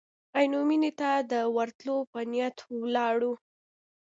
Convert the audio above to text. عینو مېنې ته د ورتلو په نیت ولاړو.